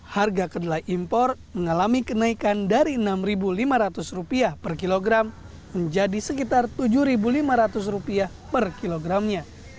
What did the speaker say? harga kedelai impor mengalami kenaikan dari rp enam lima ratus per kilogram menjadi sekitar rp tujuh lima ratus per kilogramnya